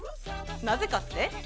なぜかって？